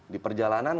di perjalanan karena